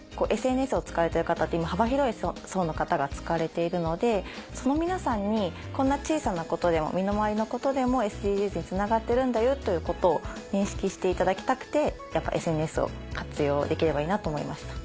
ＳＮＳを使われてる方って今幅広い層の方が使われているのでその皆さんにこんな小さなことでも身の回りのことでもＳＤＧｓにつながってるんだよということを認識していただきたくてやっぱＳＮＳを活用できればいいなと思いました。